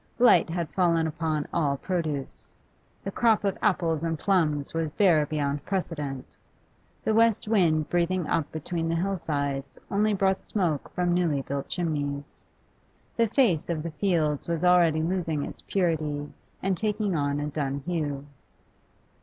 Blight had fallen upon all produce; the crop of apples and plums was bare beyond precedent. The west wind breathing up between the hill sides only brought smoke from newly built chimneys; the face of the fields was already losing its purity and taking on a dun hue.